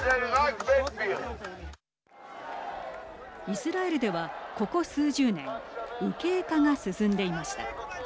イスラエルでは、ここ数十年右傾化が進んでいました。